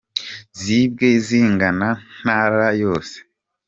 zibwe zingana ntara yose.